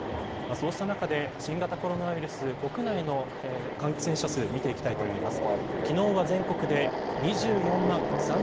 そうした中で新型コロナウイルス国内の感染者数を見ていきます。